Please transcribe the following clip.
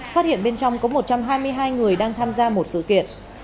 phát hiện bên trong có một trăm hai mươi hai người đang tham gia một sự kiện